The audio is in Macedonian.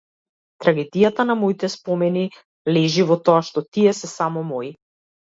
Трагедијата на моите спомени лежи во тоа што тие се само мои.